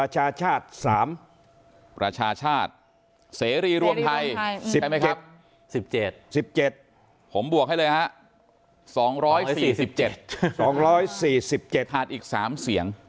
ใช่ไหมครับ๑๗ผมบวกให้เลยฮะ๒๔๗ขาดอีก๓เสียง